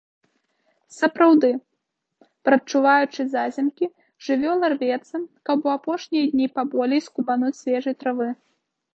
Сапраўды, прадчуваючы зазімкі, жывёла рвецца, каб у апошнія дні паболей скубануць свежай травы.